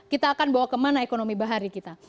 kita akan bawa kemana ekonomi bahari kita